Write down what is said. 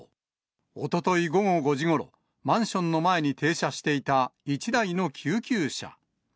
おととい午後５時ごろ、マンションの前に停車していた１台の救急車。